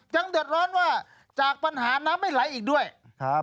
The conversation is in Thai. เดือดร้อนว่าจากปัญหาน้ำไม่ไหลอีกด้วยครับ